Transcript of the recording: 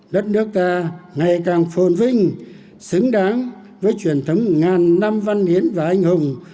đất nước ta ngày càng phồn vinh xứng đáng với truyền thống ngàn năm văn hiến và anh hùng